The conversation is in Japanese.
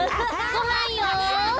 ごはんよ！